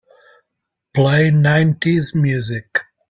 Play nineties music.